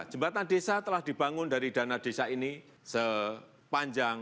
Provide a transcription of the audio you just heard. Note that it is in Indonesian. jembatan desa telah dibangun dari dana desa ini sepanjang satu dua puluh m